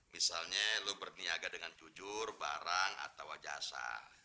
misalnya lo berniaga dengan jujur barang atau jasa